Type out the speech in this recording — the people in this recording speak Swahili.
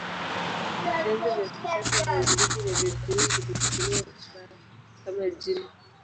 Vyanzo vya kisasa vya Ugiriki na vya Kirumi viliichukulia vibaya, kama jina.